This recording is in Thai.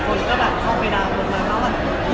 คนก็เข้าไปนามมาก